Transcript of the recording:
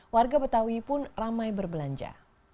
warga betawi pun ramai berbelanja